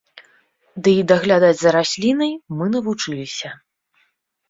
Ды і даглядаць за раслінай мы навучыліся.